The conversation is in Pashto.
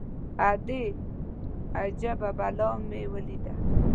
_ادې! اجبه بلا مې وليده.